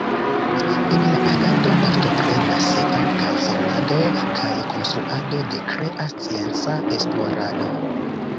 En la agado partoprenas ankaŭ formado kaj konstruado de krea scienca esplorado.